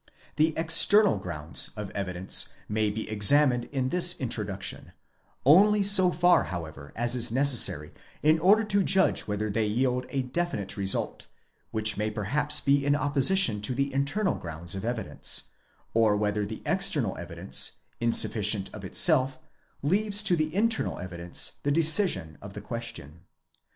The external grounds of evidence may be examined in this introduction, only so far how ever as is necessary in order to judge whether they yield a definite result, which may perhaps be in opposition to the internal grounds of evidence ; or whether the external evidence, insufficient of itself, leaves to the internal evidence the decision of the question.